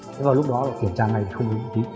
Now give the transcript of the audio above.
thế vào lúc đó kiểm tra này không đúng gì